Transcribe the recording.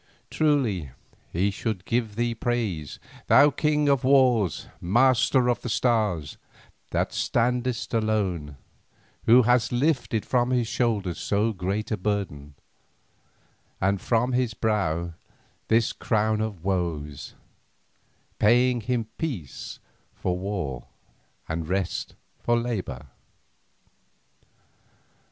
Truly, he should give thee praise, thou king of kings, master of the stars, that standest alone, who hast lifted from his shoulders so great a burden, and from his brow this crown of woes, paying him peace for war and rest for labour.